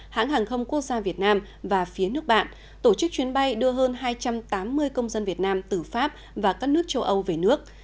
hãng hàng không quốc gia việt nam và phía nước bạn tổ chức chuyến bay đưa hơn hai trăm tám mươi công dân việt nam từ pháp và các nước châu âu về nước